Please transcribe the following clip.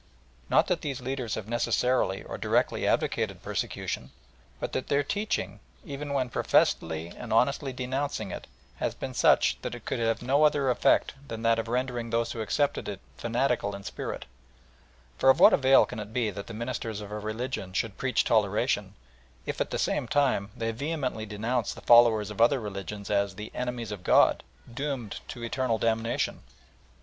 Not that these leaders have necessarily or directly advocated persecution, but that their teaching, even when professedly and honestly denouncing it, has been such that it could have no other effect than that of rendering those who accepted it fanatical in spirit, for of what avail can it be that the ministers of a religion should preach toleration, if at the same time they vehemently denounce the followers of other religions as the "enemies of God," doomed to eternal damnation?